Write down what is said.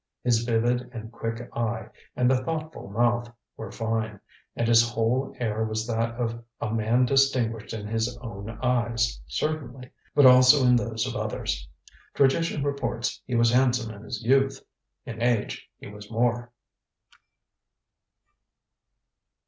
His vivid and quick eye, and the thoughtful mouth, were fine, and his whole air was that of a man distinguished in his own eyes certainly, but also in those of others. Tradition reports he was handsome in his youth. In age he was more."